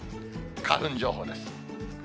花粉情報です。